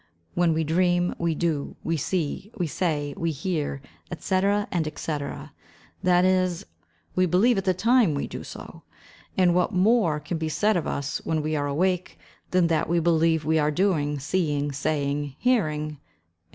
When we dream, we do, we see, we say, we hear, &c., &c., that is, we believe at the time we do so; and what more can be said of us when we are awake, than that we believe we are doing, seeing, saying, hearing, &c.